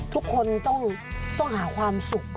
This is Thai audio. ทุกคนต้องหาความสุข